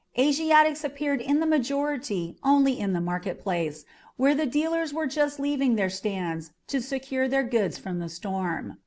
Asiatics appeared in the majority only in the market place, where the dealers were just leaving their stands to secure their goods from the storm.